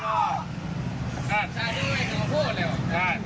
โหเสื้อเท้านั่นไงโหน่ากลัวจัง